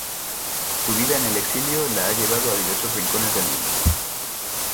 Su vida en el exilio, la ha llevado a diversos rincones del mundo.